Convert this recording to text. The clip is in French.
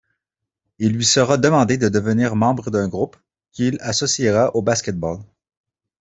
Il lui sera demandé de devenir membre d'un groupe, qu'il associera au basketball.